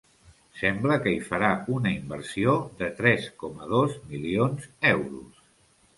Sembla que hi farà una inversió de tres coma dos milions euros.